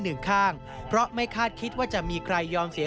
ทำงานไม่ได้เดินไม่ได้